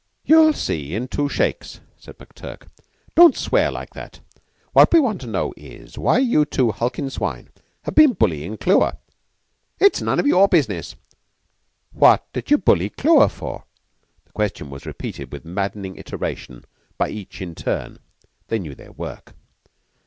"You'll see in two shakes," said McTurk. "Don't swear like that. What we want to know is, why you two hulkin' swine have been bullyin' Clewer?" "It's none of your business." "What did you bully Clewer for?" The question was repeated with maddening iteration by each in turn. They knew their work.